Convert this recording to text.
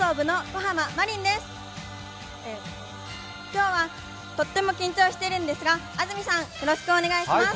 今日はとっても緊張しているんですが、安住さん、よろしくお願いします。